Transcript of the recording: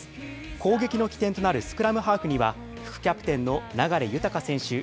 攻撃の起点となるスクラムハーフには、副キャプテンの流大選手。